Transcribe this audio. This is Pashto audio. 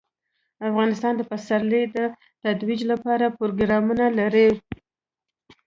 افغانستان د پسرلی د ترویج لپاره پروګرامونه لري.